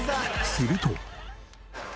すると。